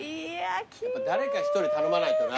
誰か１人頼まないとな。